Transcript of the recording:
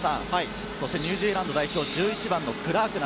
ニュージーランド代表、１１番のクラーク。